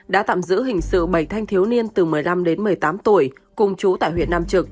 đã tạm giữ hình sự bảy thanh thiếu niên từ một mươi năm đến một mươi tám tuổi cùng chú tại huyện nam trực